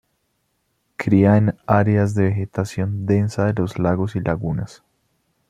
Cría en áreas de vegetación densa de los lagos y lagunas.